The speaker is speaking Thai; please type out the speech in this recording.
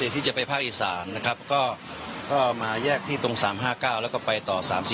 ที่จะไปภาคอีสานนะครับก็มาแยกที่ตรง๓๕๙แล้วก็ไปต่อ๓๔